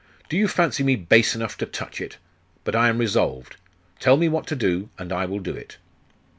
'Do you fancy me base enough to touch it? But I am resolved. Tell me what to do, and I will do it.